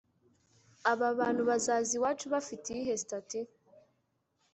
Aba bantu bazaza iwacu bafite iyihe statut